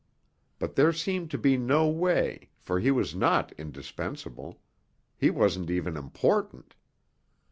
But there seemed to be no way, for he was not indispensable; he wasn't even important.